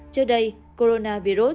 trước đây coronavirus